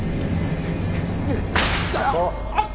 あっ！？